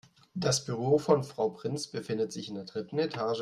Das Büro von Frau Prinz befindet sich in der dritten Etage.